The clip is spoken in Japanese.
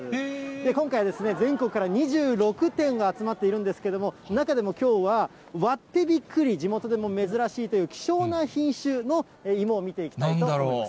今回はですね、全国から２６店が集まっているんですけれども、中でもきょうは、割ってびっくり、地元でも珍しいという希少な品種の芋を見ていきたいと思います。